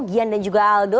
gian dan juga aldo